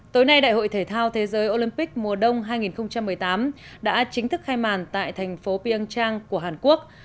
tối nay đại hội thể thao thế giới olympic mùa đông hai nghìn một mươi tám đã chính thức khai mạc tại thành phố pyeongchang của hàn quốc